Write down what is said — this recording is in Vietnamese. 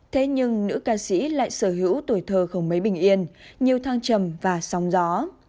thế nhưng nữ ca sĩ lại sở hữu tuổi thơ không mấy bình yên nhiều thăng trầm và sóng gió